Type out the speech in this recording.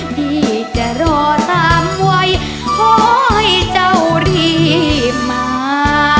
พี่จะรอตามไว้ขอให้เจ้ารีบมา